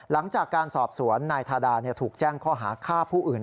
หลังจากการสอบสวนนายทาดาถูกแจ้งข้อหาฆ่าผู้อื่น